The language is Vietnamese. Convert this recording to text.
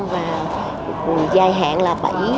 và dài hạn là bảy